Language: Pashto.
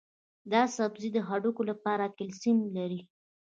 دا سبزی د هډوکو لپاره کلسیم لري.